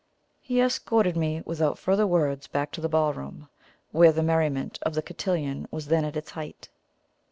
He escorted me without further words back to the ballroom, where the merriment of the cotillon was then at its height.